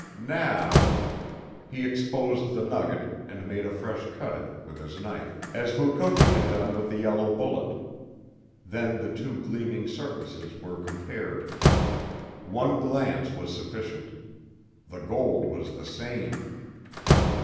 Now " He exposed the nugget, and made a fresh cut in it with his knife, as Mukoki had done with the yellow bullet. Then the two gleaming surfaces were compared. One glance was sufficient. The gold was the same!